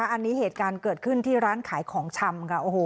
อันนี้เหตุการณ์เกิดขึ้นที่ร้านขายของชำค่ะ